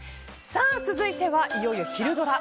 続いては、いよいよひるドラ！